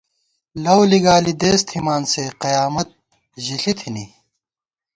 لَؤ لِگالی دېس تھِمان سے ، قیامت ژِݪی تھِنی